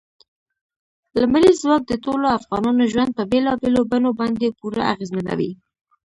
لمریز ځواک د ټولو افغانانو ژوند په بېلابېلو بڼو باندې پوره اغېزمنوي.